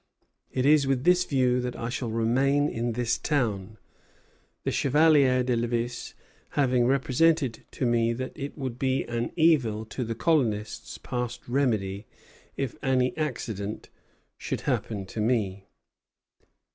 It is with this view that I shall remain in this town, the Chevalier de Lévis having represented to me that it would be an evil to the colonists past remedy if any accident should happen to me."